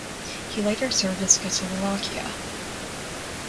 He later served in Czechoslovakia.